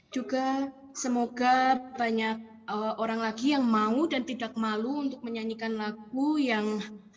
juga semoga banyak orang lagi yang mau dan tidak malu untuk menyanyikan lagu yang